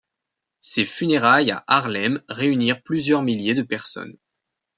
Ses funérailles à Harlem réunirent plusieurs milliers de personnes.